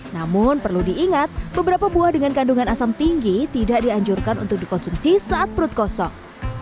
namun perlu diingat beberapa buah dengan kandungan asam tinggi tidak dianjurkan untuk dikonsumsi saat perut kosong